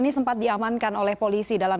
ini sempat diamankan oleh polisi dalam